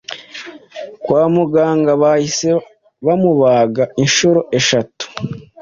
Kwa muganga bahise bamubaga inshuro eshatu